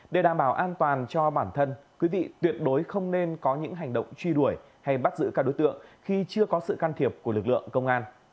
để đảm bảo an toàn cho bản thân quý vị tuyệt đối không nên có những hành động truy đuổi hay bắt giữ các đối tượng khi chưa có sự can thiệp của lực lượng công an